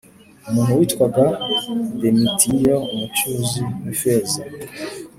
Umuntu witwaga Demetiriyo umucuzi w ifeza